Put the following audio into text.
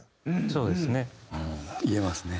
そうですね。